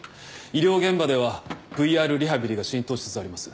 医療現場ではＶＲリハビリが浸透しつつあります。